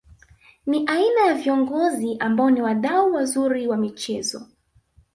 Ni aina ya viongozi ambao ni wadau wazuri wa michezo